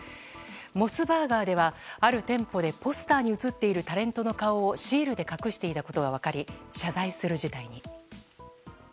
モスバーガーでは、ある店舗でポスターに写っているタレントの顔をシールで隠していたことが分かり謝罪する事態に。